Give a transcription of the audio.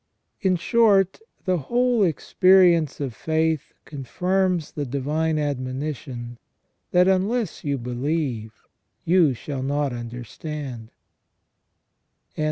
In short, the whole experience of faith confirms the divine admonition, that " unless you believe, you shall not understand